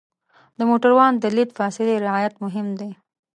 د موټروان د لید فاصلې رعایت مهم دی.